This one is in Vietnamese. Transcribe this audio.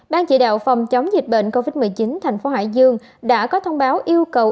ban chỉ đạo phòng chống dịch bệnh covid một mươi chín thành phố hải dương đã có thông báo yêu cầu